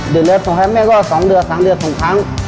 เดือนเลือดส่งให้แม่ก็๒เดือนส่งเลือด๒